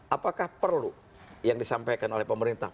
apakah perlu yang disampaikan oleh pemerintah